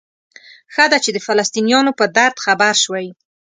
ښه ده چې د فلسطینیانو په درد خبر شوئ.